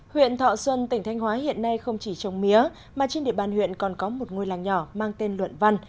huyện thọ xuân tỉnh thanh hóa hiện nay không chỉ trồng mía mà trên địa bàn huyện còn có một ngôi làng nhỏ mang tên luận văn